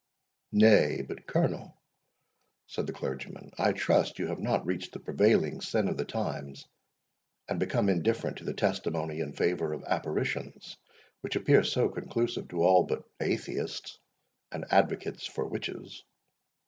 "Nay, but, good Colonel," said the clergyman, "I trust you have not reached the prevailing sin of the times, and become indifferent to the testimony in favour of apparitions, which appears so conclusive to all but atheists, and advocates for witches?"